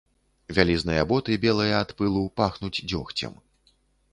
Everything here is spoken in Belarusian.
Вялізныя боты, белыя ад пылу, пахнуць дзёгцем.